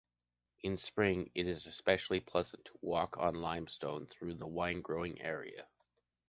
In spring it is especially pleasant to walk on limestone through the wine-growing area.